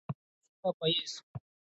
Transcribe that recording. Sifa kwa Yesu,